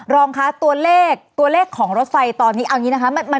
รองคะตัวเลขตัวเลขของรถไฟตอนนี้เอาอย่างนี้นะคะ